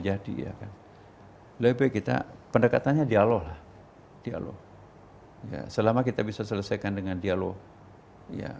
jadi akan lebih kita pendekatannya dialog dialog selama kita bisa selesaikan dengan dialog ya